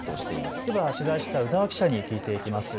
では取材した鵜澤記者に聞いていきます。